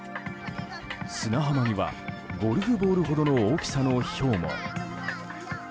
砂浜には、ゴルフボールほどの大きさのひょうも。